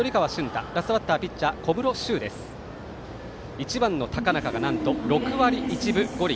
１番の高中が６割１分５厘。